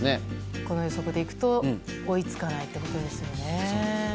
この予測でいくと追いつかないってことですよね。